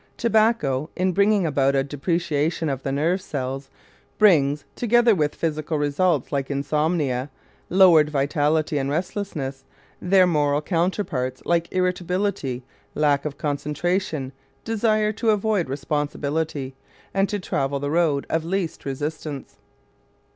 Tobacco, in bringing about a depreciation of the nerve cells, brings, together with physical results like insomnia, lowered vitality, and restlessness, their moral counterparts, like irritability, lack of concentration, desire to avoid responsibility and to travel the road of least resistance.